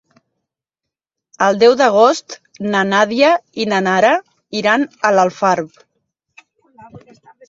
El deu d'agost na Nàdia i na Nara iran a Alfarb.